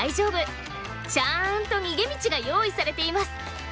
ちゃんと逃げ道が用意されています。